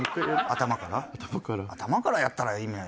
頭からやったら意味ない。